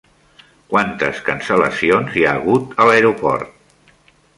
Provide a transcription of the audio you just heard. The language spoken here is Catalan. Quantes cancel·lacions hi ha hagut a l'aeroport?